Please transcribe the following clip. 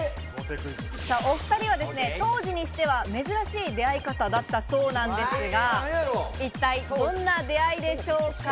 お２人は当時にしては珍しい出会い方だったそうなんですが、一体どんな出会いでしょうか？